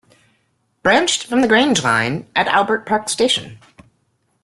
Branched from the Grange line at Albert Park station.